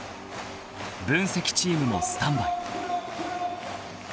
［分析チームもスタンバイ］